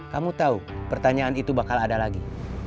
kamu tahu pertanyaan itu bakal ada lagi